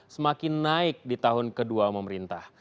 semakin naik di tahun kedua pemerintah